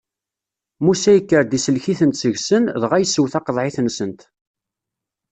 Musa yekker-d isellek-itent seg-sen, dɣa yessew taqeḍɛit-nsent.